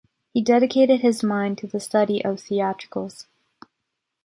He dedicated his mind to the study of theatricals.